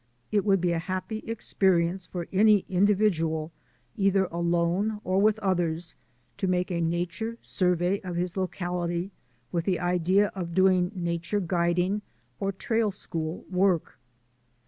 It would be a happy experience for any individual, either alone or with others, to make a nature survey of his locality with the idea of doing nature guiding or trail school work.